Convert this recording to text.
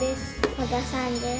小田さんです。